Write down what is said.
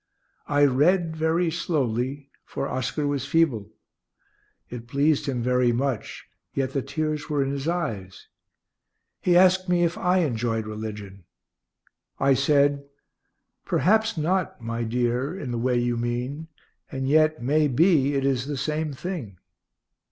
I read very slowly, for Oscar was feeble. It pleased him very much, yet the tears were in his eyes. He asked me if I enjoyed religion. I said, "Perhaps not, my dear, in the way you mean, and yet may be it is the same thing."